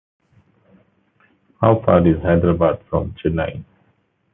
How far is Hyderabad from Chennai?